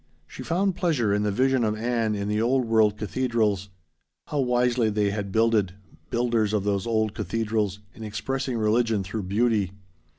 She found pleasure in the vision of Ann in the old world cathedrals. How wisely they had builded builders of those old cathedrals in expressing religion through beauty.